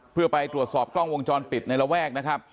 เพื่อไปตรวจสอบกล้องวงจรปิดในระแวกนะครับ